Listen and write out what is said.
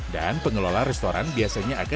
dan pengelola restoran biasanya akan mencari